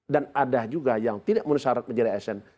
dan ada juga yang tidak menuhi syarat menjadi asn